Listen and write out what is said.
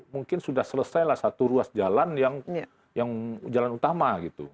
mungkin sudah selesailah satu ruas jalan yang jalan utama gitu